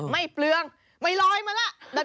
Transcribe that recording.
ไม่เปลืองไม่ลอยมาล่ะ